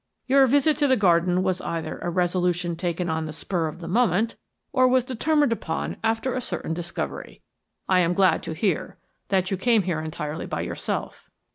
Your visit to the garden was either a resolution taken on the spur of the moment, or was determined upon after a certain discovery. I am glad to hear that you came here entirely by yourself."